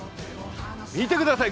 見てください！